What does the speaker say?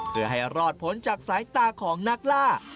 เพื่อให้รอดผลจากสายตาของนักล่า